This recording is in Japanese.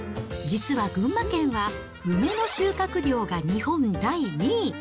実は群馬県は梅の収穫量が日本第２位。